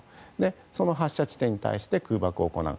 その発射地点に対して空爆を行う。